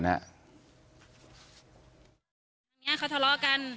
ตรงนี้เขาทะเลาะกัน